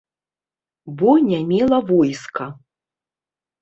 Бо не мела войска.